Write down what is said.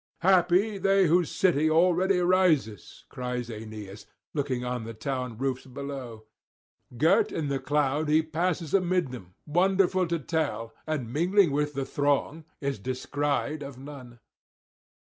'Happy they whose city already rises!' cries Aeneas, looking on the town roofs below. Girt in the cloud he passes amid them, wonderful to tell, and mingling with the throng is descried of none.